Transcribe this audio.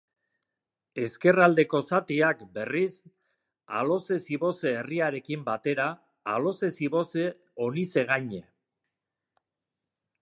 Ezkerraldeko zatiak, berriz, Aloze-Ziboze herriarekin batera Aloze-Ziboze-Onizegaine.